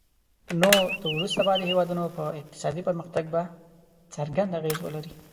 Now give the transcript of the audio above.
نو د وروسته پاتې هیوادونو په اقتصادي پرمختګ به څرګند اغیز ولري.